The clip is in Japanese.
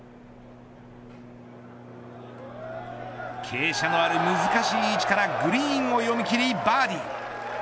傾斜のある難しい位置からグリーンを読み切りバーディー。